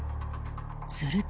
すると。